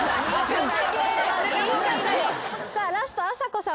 さあラストあさこさん